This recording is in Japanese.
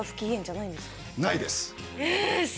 ないです。